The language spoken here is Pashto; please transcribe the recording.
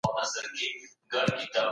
پاکوالی او نظافت د ايمان نيمايي برخه ده.